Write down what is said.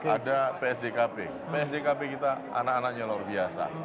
ada psdkp psdkp kita anak anaknya luar biasa